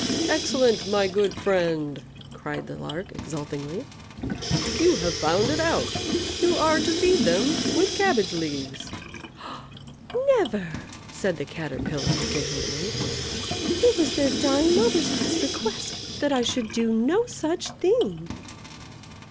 "Excellent! my good friend," cried the Lark, exultingly; "you have found it out. You are to feed them with cabbage leaves." "Never!" said the Caterpillar, indignantly. "It was their dying mother's last request that I should do no such thing."